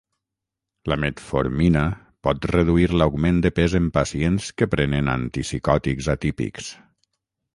La metformina pot reduir l'augment de pes en pacients que prenen antipsicòtics atípics.